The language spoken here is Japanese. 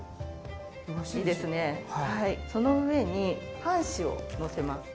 その上に、半紙を載せます。